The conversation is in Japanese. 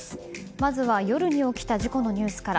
まずは夜に起きた事故のニュースから。